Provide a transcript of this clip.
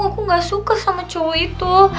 aku gak suka sama cowok itu